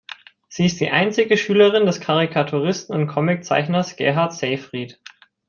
Sie ist die einzige Schülerin des Karikaturisten und Comiczeichners Gerhard Seyfried.